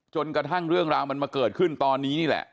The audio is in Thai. จนกระทั่งเรื่องราวมันมาเกิดขึ้นตอนนี้นี่แหละ